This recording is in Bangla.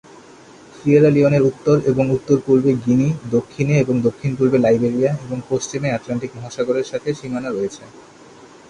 সিয়েরা লিওনের উত্তর এবং উত্তর-পূর্বে গিনি, দক্ষিণে এবং দক্ষিণ-পূর্বে লাইবেরিয়া এবং পশ্চিমে আটলান্টিক মহাসাগরের সাথে সীমানা রয়েছে।